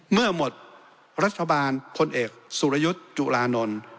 เมื่อหมดรัฐบาลพลเอกสุรยุทธ์จุลานนท์